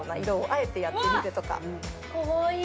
かわいい！